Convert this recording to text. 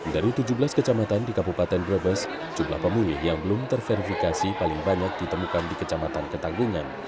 dari tujuh belas kecamatan di kabupaten brebes jumlah pemudik yang belum terverifikasi paling banyak ditemukan di kecamatan ketanggungan